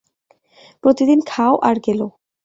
প্রতিদিন খাও আর গেলো।